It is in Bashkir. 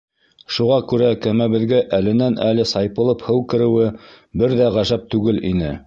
Шуға күрә кәмәбеҙгә әленән-әле сайпылып һыу кереүе бер ҙә ғәжәп түгел ине.